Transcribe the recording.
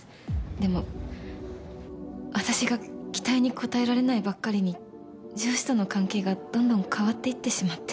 でも私が期待に応えられないばっかりに上司との関係がどんどん変わっていってしまって。